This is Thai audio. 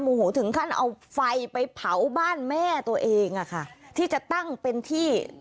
โหถึงขั้นเอาไฟไปเผาบ้านแม่ตัวเองอ่ะค่ะที่จะตั้งเป็นที่